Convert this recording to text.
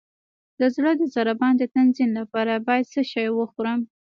د زړه د ضربان د تنظیم لپاره باید څه شی وخورم؟